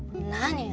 何？